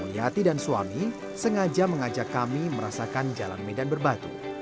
mulyati dan suami sengaja mengajak kami merasakan jalan medan berbatu